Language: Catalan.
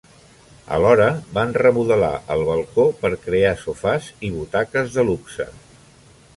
Alhora van remodelar el balcó per crear sofàs i butaques de luxe.